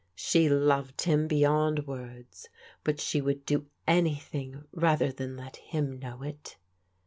She loved him beyond words, but she would do any thing rather than let him know it.